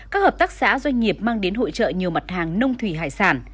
các hợp tác xã doanh nghiệp mang đến hội trợ nhiều mặt hàng nông thủy hải sản